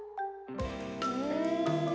うん。